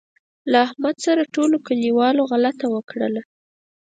له احمد سره ټولوکلیوالو غلطه وکړله.